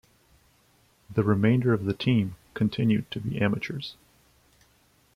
The remainder of the team continued to be amateurs.